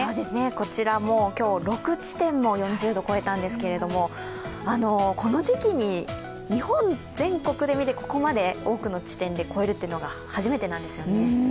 こちら、今日、６地点も４０度を超えたんですけど、この時期に、日本全国で見てここまで多くの地点で超えるというのが初めてなんですよね。